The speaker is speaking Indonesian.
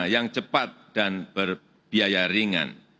yang cepat dan berbiaya ringan